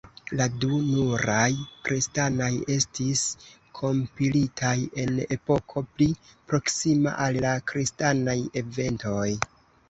La du nuraj kristanaj estis kompilitaj en epoko pli proksima al la kristanaj eventoj.